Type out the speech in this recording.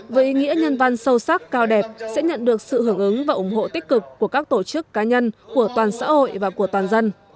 với ý nghĩa nhân văn sâu sắc cao đẹp sẽ nhận được sự hưởng ứng và ủng hộ tích cực của các tổ chức cá nhân của toàn xã hội và của toàn dân